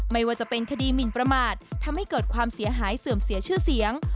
ไม่ว่าจะเป็นคดีหมินประมาททำให้เกิดความเสียหายเสื่อมเสียชื่อเสียง